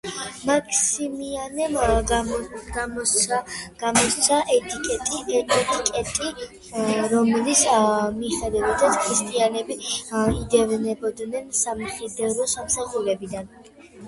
მაქსიმიანემ გამოსცა ედიქტი, რომლის მიხედვითაც ქრისტიანები იდევნებოდნენ სამხედრო სამსახურიდან.